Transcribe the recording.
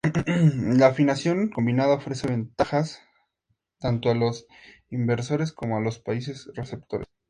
La financiación combinada ofrece ventajas tanto a los inversores como a los países receptores.